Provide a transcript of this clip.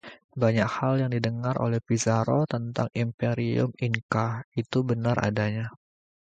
Banyak hal yang didengar oleh Pizzaro tentang imperium Inca itu benar adanya.